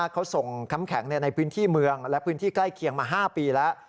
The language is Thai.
เขาส่งคำแข็งในพื้นที่เมืองและพื้นที่ใกล้เคียงมา๕ปีแล้ว